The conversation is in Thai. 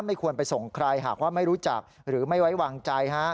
ไม่ควรไปส่งใครหากว่าไม่รู้จักหรือไม่ไว้วางใจ